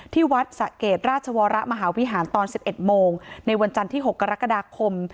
ที่วัดสะเกดราชวรมหาวิหารตอน๑๑โมงในวันจันทร์ที่๖กรกฎาคม